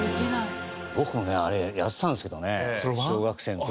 僕もねあれやってたんですけどね小学生の時。